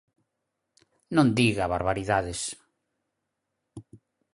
Non diga barbaridades.